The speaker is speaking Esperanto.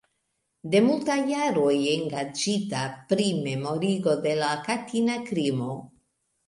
De multaj jaroj engaĝita pri memorigo de la katina krimo.